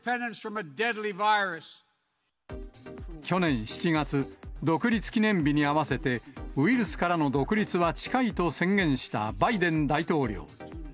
去年７月、独立記念日に合わせて、ウイルスからの独立は近いと宣言したバイデン大統領。